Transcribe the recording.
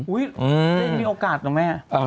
อุ๊ยมีโอกาสสินะแม่